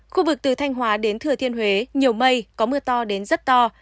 khu vực từ thanh hóa đến thừa thiên huế nhiều mây có mưa to đến rất to